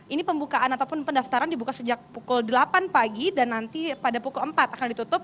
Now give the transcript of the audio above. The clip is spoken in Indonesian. ini pembukaan ataupun pendaftaran dibuka sejak pukul delapan pagi dan nanti pada pukul empat akan ditutup